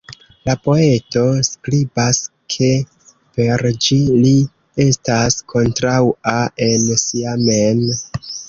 La poeto skribas ke per ĝi li estas "kontraŭa en si mem".